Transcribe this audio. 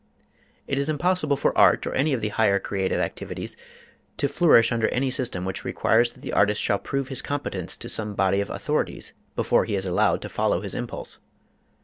It is impossible for art, or any of the higher creative activities, to flourish under any system which requires that the artist shall prove his competence to some body of authorities before he is allowed to follow his impulse.